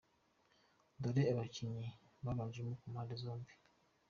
Dore abakinnyi babanjemo ku mpande zombi